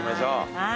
はい。